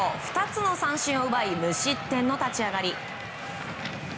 ２つの三振を奪い無失点の立ち上がり。